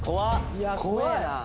いや怖えな。